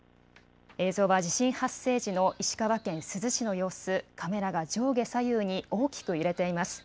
映像は地震発生時の石川県珠洲市の様子、カメラが上下左右に大きく揺れています。